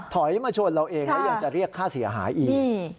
ถอยมาชนเราเองแล้วยังจะเรียกค่าเสียหายอีก